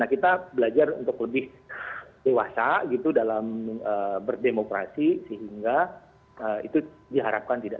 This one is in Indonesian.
kita belajar untuk lebih dewasa gitu dalam berdemokrasi sehingga itu diharapkan tidak